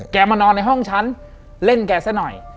มานอนในห้องฉันเล่นแกซะหน่อย